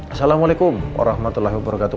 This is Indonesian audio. assalamualaikum warahmatullahi wabarakatuh